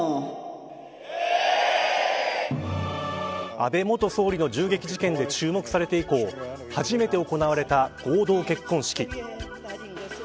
安倍元総理の銃撃事件で注目されて以降初めて行われた合同結婚式。